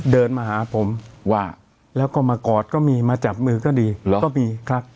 เดินมาหาผมว่าแล้วก็มากอดก็มีมาจับมือก็ดีเหรอก็มีครับ